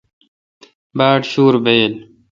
باڑ شور بایل۔